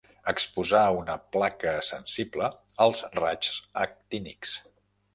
Exposar una placa sensible als raigs actínics.